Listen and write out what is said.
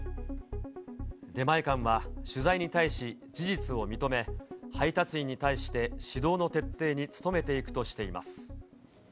出前館は取材に対し、事実を認め、配達員に対して、指導の徹底に努めていくとしています。